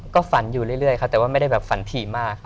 ก็ฝันอยู่เรื่อยแต่ว่าไม่ได้ฝันถี่มาก